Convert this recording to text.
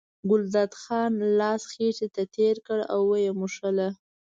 ګلداد خان لاس خېټې ته تېر کړ او یې مښله.